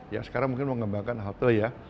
ya sekarang mungkin mengembangkan halte ya